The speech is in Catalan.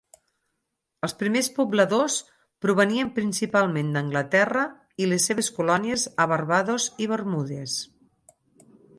Els primers pobladors provenien principalment d'Anglaterra i les seves colònies a Barbados i Bermudes.